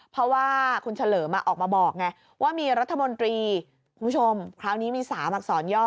เพราะว่าคุณเฉลิมออกมาบอกไงว่ามีรัฐมนตรีคุณผู้ชมคราวนี้มี๓อักษรย่อ